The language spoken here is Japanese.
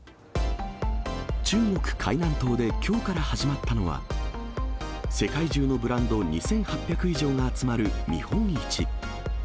中国・海南島できょうから始まったのは、世界中のブランド２８００以上が集まる見本市。